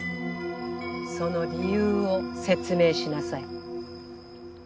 その理由を説明しなさい。